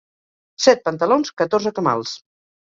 Set pantalons, catorze camals.